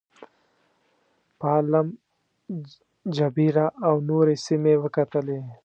پالم جبیره او نورې سیمې وکتلې.